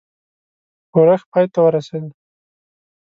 ښورښ پای ته ورسېدی.